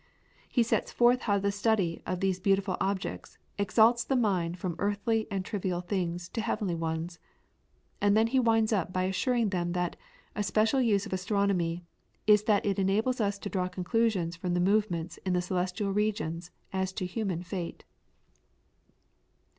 He sets forth how the study of these beautiful objects "exalts the mind from earthly and trivial things to heavenly ones;" and then he winds up by assuring them that "a special use of astronomy is that it enables us to draw conclusions from the movements in the celestial regions as to human fate."